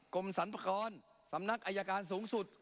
กรมสรรพากรสำนักอายการสูงสุด